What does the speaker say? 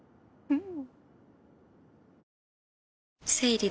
うん。